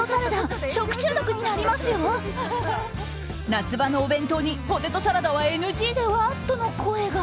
夏場のお弁当にポテトサラダはＮＧでは？との声が。